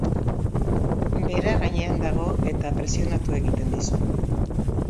Bera gainean dago eta presionatu egiten dizu.